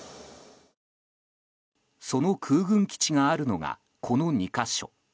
その空軍基地があるのがこの２か所。